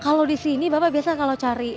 kalau di sini bapak biasa kalau cari